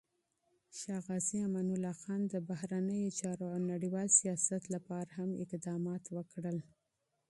شاه امان الله خان د بهرنیو چارو او نړیوال سیاست لپاره هم اقدامات وکړل.